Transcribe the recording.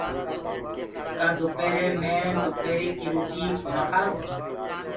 ڪآل دُپيري مي دُپري ڪي روٽي ڪونآ کآرو۔